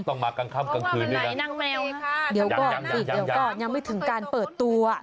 ต้องมากลางคับกลางคืนด้วยนะเดี๋ยวก่อนสิเดี๋ยวก่อนยังไม่ถึงการเปิดตัว